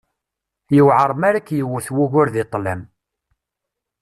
Yewεer mi ara k-yewwet wugur di ṭṭlam.